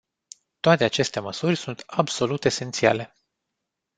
Toate aceste măsuri sunt absolut esențiale.